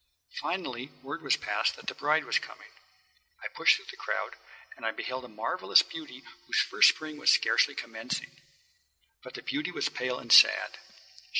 Finally word was passed that the bride was coming. I pushed through the crowd, and I beheld a marvellous beauty whose first spring was scarcely commencing. But the beauty was pale and sad.